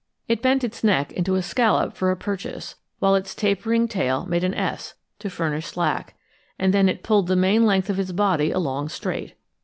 It bent its neck into a scallop for a purchase, while its tapering tail made an S, to furnish slack; and then it pulled the main length of its body along straight.